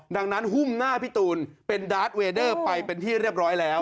ดังนั้นหุ้มหน้าพี่ตูนเป็นดาร์ดเวดเดอร์ไปเป็นที่เรียบร้อยแล้ว